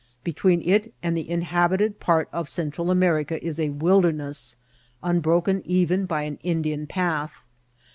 Between it and the inhabited part of Central America is a wilderness, unbroken even by an Indian path.